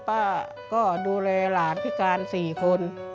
วันนี้ป่าก็ดูแลหลานพิการ๔คน